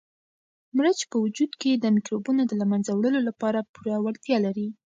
مرچ په وجود کې د مکروبونو د له منځه وړلو لپاره پوره وړتیا لري.